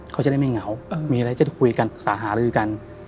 เขาจะได้ไม่เหงามีอะไรจะคุยกันปรึกษาหารือกัน